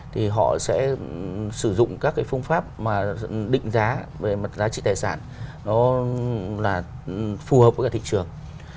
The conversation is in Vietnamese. thì họ sẽ sử dụng các cái phương pháp mà định giá về mặt giá trị tài sản nó là phù hợp với cả thị trường